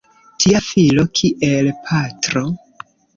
Tia filo kiel patro!